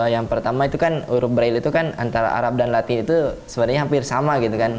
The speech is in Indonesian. yang pertama itu kan huruf braille itu kan antara arab dan latih itu sebenarnya hampir sama gitu kan